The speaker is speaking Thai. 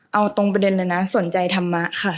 เอาตรงประเด็นเลยนะสนใจธรรมะค่ะ